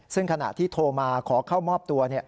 ซึ่งขณะที่โทรมาขอเข้ามอบตัว